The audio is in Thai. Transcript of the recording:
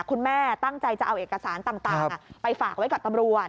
คุณแม่ตั้งใจจะเอาเอกสารต่างไปฝากไว้กับตำรวจ